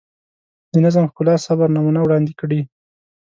د نظم، ښکلا، صبر نمونه وړاندې کړي.